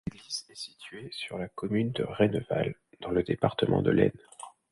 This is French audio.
L'église est située sur la commune de Renneval, dans le département de l'Aisne.